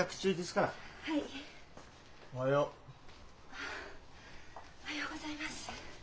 おはようございます。